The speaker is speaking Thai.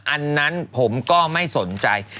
อันนั้นผมก็ไม่สนใจ